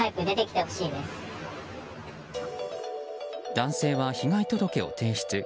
男性は被害届を提出。